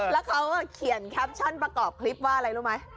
แล้วเขาเขียนแคปชั่นประกอบคลิปว่าอะไรรู้ไหม